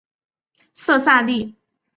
色萨利。